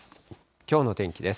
きょうの天気です。